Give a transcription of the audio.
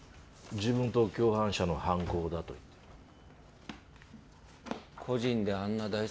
自分と共犯者の犯行だと言ってる。